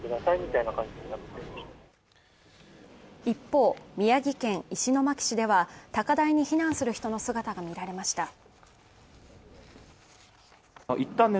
一方、宮城県石巻市では高台に避難する人の姿が見られました。